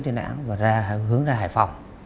tuyến đường lên thị trấn tiên áng và hướng ra hải phòng